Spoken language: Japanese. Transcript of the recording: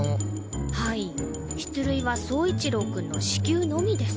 はい出塁は走一郎君の四球のみです。